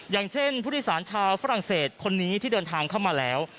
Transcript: อย่างเช่นผู้โดยสารชาวฝรั่งเศสคนนี้ที่เดินทางเข้ามาแล้ว